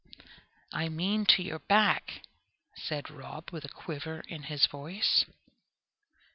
"I mean to your back," said Rob, with a quiver in his voice.